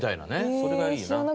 それがいいよな。